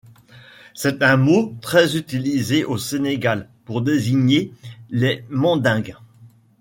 C'est un mot très utilisé au Sénégal pour désigner les Mandingues.